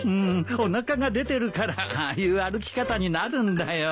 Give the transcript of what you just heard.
おなかが出てるからああいう歩き方になるんだよ。